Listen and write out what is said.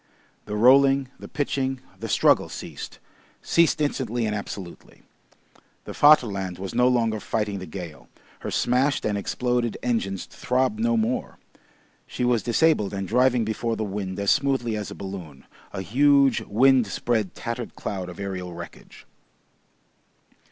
The rolling, the pitching, the struggle ceased, ceased instantly and absolutely. The Vaterland was no longer fighting the gale; her smashed and exploded engines throbbed no more; she was disabled and driving before the wind as smoothly as a balloon, a huge, windspread, tattered cloud of aerial wreckage.